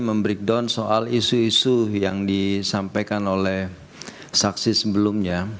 membreakdown soal isu isu yang disampaikan oleh saksi sebelumnya